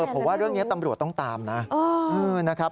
ผมว่าเรื่องนี้ตำรวจต้องตามนะ